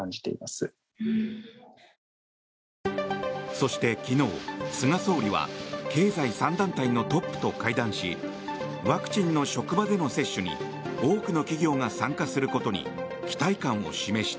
そして昨日、菅総理は経済３団体のトップと会談しワクチンの職場での接種に多くの企業が参加することに期待感を示した。